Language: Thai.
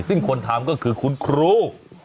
ซึ่งคนทำก็คือคุณครู